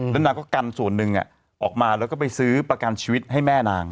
แล้วนางก็กันส่วนหนึ่งออกมาแล้วก็ไปซื้อประกันชีวิตให้แม่นาง